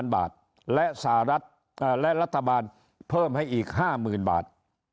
๑๕๐๐๐บาทและรัฐบาลเพิ่มให้อีก๕๐๐๐๐บาท